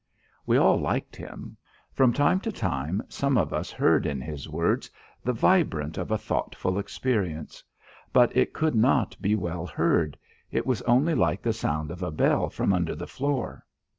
We all liked him. From time to time some of us heard in his words the vibrant of a thoughtful experience. But it could not be well heard; it was only like the sound of a bell from under the floor.